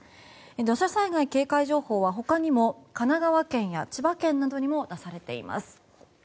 土砂災害警戒情報は他にも神奈川県や千葉県などにも出されています。